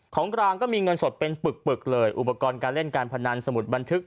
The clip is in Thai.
ของกลางก็มีเงินสดเป็นปึกปึกเลยอุปกรณ์การเล่นการพนันสมุดบันทึก